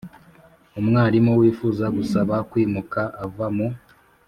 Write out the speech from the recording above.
Umwarimu wifuza gusaba kwimuka ava mu